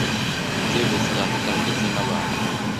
Inzego zitandukanye ndetse n’abantu